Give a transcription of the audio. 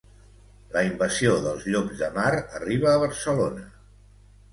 La invasió dels llops de mar arriba a Barcelona